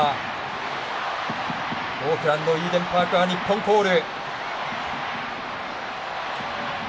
オークランド、イーデンパークは日本コール。